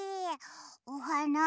おはな